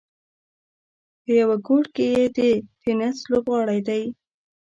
په یوه ګوټ کې یې د ټېنس لوبغالی دی.